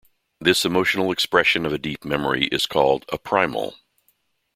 This emotional expression of deep memory is called a "primal".